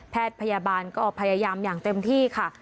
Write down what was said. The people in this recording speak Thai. พยาบาลก็พยายามอย่างเต็มที่ค่ะ